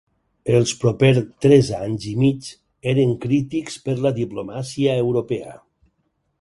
Els proper tres anys i mig eren crítics per la diplomàcia europea.